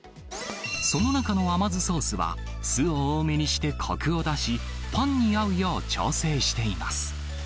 その中の甘酢ソースは、酢を多めにしてこくを出し、パンに合うよう調整しています。